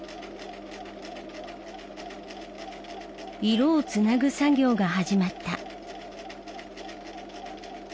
色をつなぐ作業が始まった。